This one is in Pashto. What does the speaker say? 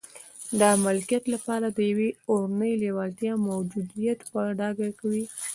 دا د ملکیت لپاره د یوې اورنۍ لېوالتیا موجودیت په ډاګه کوي